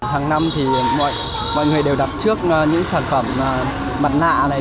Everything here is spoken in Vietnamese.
hàng năm thì mọi người đều đặt trước những sản phẩm mặt nạ này